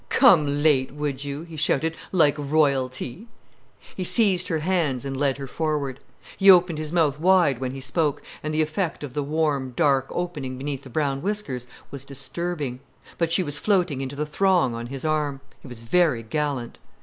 "Come late, would you," he shouted, "like royalty." He seized her hands and led her forward. He opened his mouth wide when he spoke, and the effect of the warm, dark opening behind the brown whiskers was disturbing. But she was floating into the throng on his arm. He was very gallant.